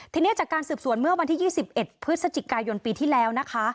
ทีนี้จากการสืบสวนเมื่อวันที่๒๑พฤศจิกายนปีที่แล้วนะคะ